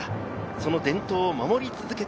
その伝統を守り続けて